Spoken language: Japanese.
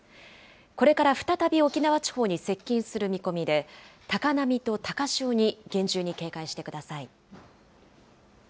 これから再び沖縄地方に接近する見込みで、高波と高潮に厳重に警戒してください。